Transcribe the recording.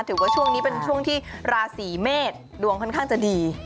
ถือว่าช่วงนี้เป็นช่วงที่ราศีเมษดวงค่อนข้างจะดี